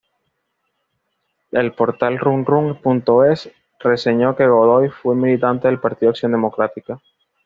El portal Runrun.es reseñó que Godoy fue militante del partido Acción Democrática.